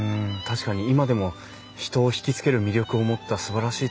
確かに今でも人を引き付ける魅力を持ったすばらしい建物ですもんね。